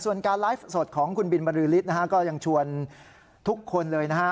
ส่วนการไลฟ์สดของคุณบินบริษฐ์นะฮะก็ยังชวนทุกคนเลยนะฮะ